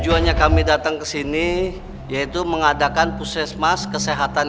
keliling dan kesehatan kesehatan kesehatan kesehatan kesehatan kesehatan kesehatan kesehatan